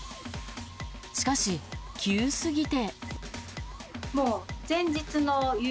しかし、急すぎて。